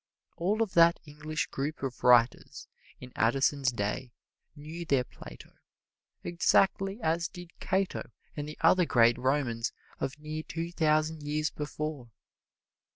All of that English group of writers in Addison's day knew their Plato, exactly as did Cato and the other great Romans of near two thousand years before.